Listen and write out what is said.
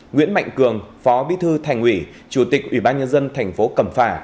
nguyễn mạnh cường phó bí thư thành uỷ chủ tịch ủy ban nhân dân tp cầm phả